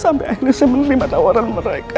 sampai akhirnya menerima tawaran mereka